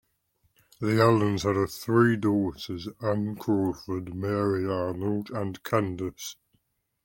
The Allens had three daughters, Anne Crawford, Mary Arnold and Candace.